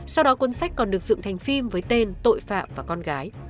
sau đó cuốn sách còn được dựng thành phim với tên tội phạm và con gái